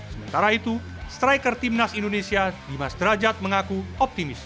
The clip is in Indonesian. sementara itu striker timnas indonesia dimas derajat mengaku optimis